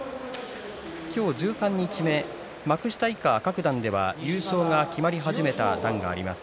十三日目、幕下以下各段では優勝が決まり始めた段があります。